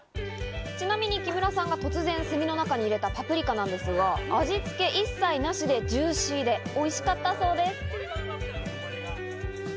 ちなみに木村さんが突然、炭の中に入れたパプリカなんですが、味付け一切なしでジューシーでおいしかったそうです。